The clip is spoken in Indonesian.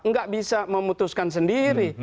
tidak bisa memutuskan sendiri